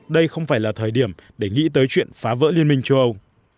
đây không phải là thời điểm để nghĩ tới chuyện phá vỡ liên minh châu âu